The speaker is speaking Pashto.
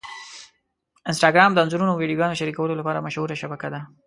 انسټاګرام د انځورونو او ویډیوګانو شریکولو لپاره مشهوره شبکه ده.